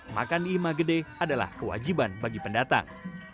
makan imah gede adalah kewajiban bagi pendatang